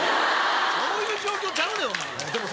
そういう状況ちゃうでお前は。